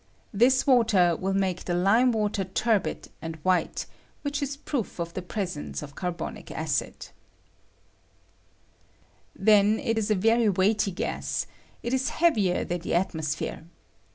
This water will make the lime water turbid and white, which is proof of the presence of carbonic acid. DENSITY OF CAHBOFIO ACID, 149 Then it is a very weighty gas ; it is heavier than the atmosphere.